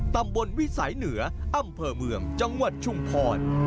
วิสัยเหนืออำเภอเมืองจังหวัดชุมพร